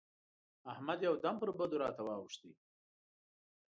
احمد يو دم پر بدو راته واووښت.